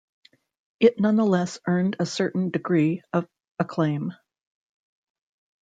It nonetheless earned a certain degree of acclaim.